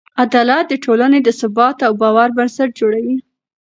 عدالت د ټولنې د ثبات او باور بنسټ جوړوي.